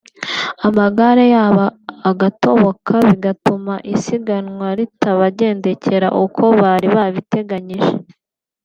amagare yabo agatoboka bigatuma isiganwa ritabagendekera uko bari babiteganyije